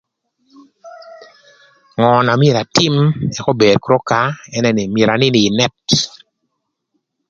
Ngö na myero atïm ëk ober kür ökaa ënë nï myero anïn ï nët.